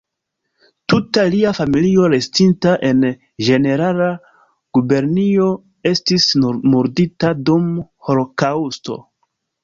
Tuta lia familio restinta en Ĝenerala Gubernio estis murdita dum holokaŭsto.